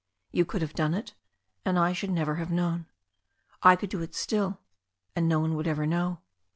"You could have done it, and I should never have known. I could do it still, and no one would ever know.